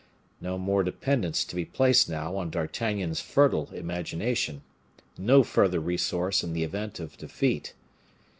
No more dependence to be placed now on D'Artagnan's fertile imagination no further resource in the event of defeat.